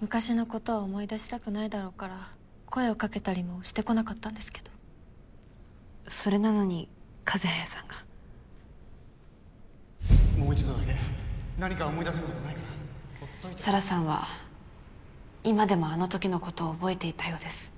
昔のことは思い出したくないだろうから声を掛けたりもしてこなかったんですけどそれなのに風早さんがもう一度だけ何か思い出せることない紗良さんは今でもあの時のことを覚えていたようです。